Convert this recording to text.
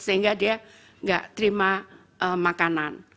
sehingga dia nggak terima makanan